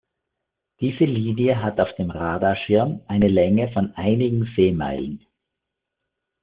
Diese Linie hat auf dem Radarschirm eine Länge von einigen Seemeilen.